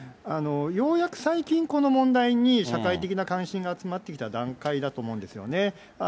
ようやく最近、この問題に社会的な関心が集まってきた段階だと思うんですよね。